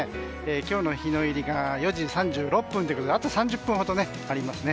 今日の日の入りが４時３６分ということであと３０分ほどありますね。